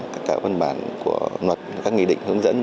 các văn bản của luật các nghị định hướng dẫn